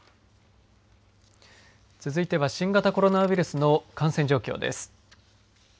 続いては新型コロナウイルスの感染状況です。